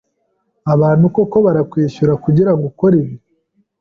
Abantu koko barakwishura kugirango ukore ibi?